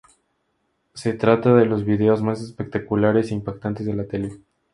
Se trata de los vídeos más espectaculares e impactantes de la tele.